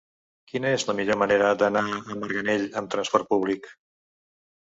Quina és la millor manera d'anar a Marganell amb trasport públic?